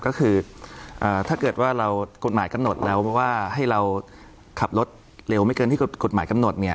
ก็คือถ้าเกิดว่าเรากฎหมายกำหนดแล้วว่าให้เราขับรถเร็วไม่เกินที่กฎหมายกำหนดเนี่ย